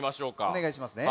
おねがいしますね。